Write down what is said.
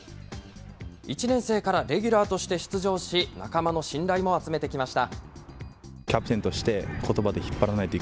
１年生からレギュラーとして出場し、仲間の信頼も集めてきました。